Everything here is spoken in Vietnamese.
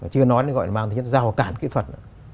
chưa nói nó gọi là mang tới những giao cản kỹ thuật